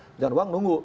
pencucian uang menunggu